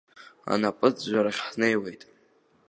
Анапыӡәӡәарахь ҳнеиуеит.